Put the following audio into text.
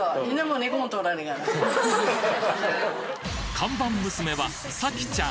看板娘はサキちゃん！